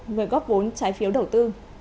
người góp vốn trái phiếu đầu tư